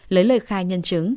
lấy lời khai nhân chứng